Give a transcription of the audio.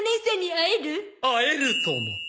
会えるとも。